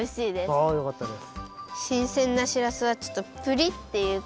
あよかったです。